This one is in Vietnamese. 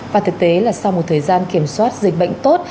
và thực tế là sau một thời gian kiểm soát dịch bệnh tốt